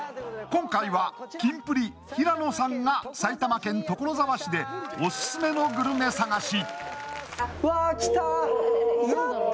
今回はキンプリ・平野さんが埼玉県所沢市でオススメのグルメ探し。